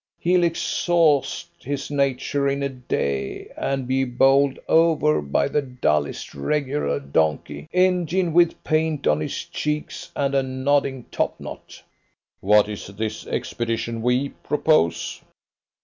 He'll exhaust his nature in a day and be bowled over by the dullest regular donkey engine with paint on his cheeks and a nodding topknot." "What is this expedition 'we' propose?"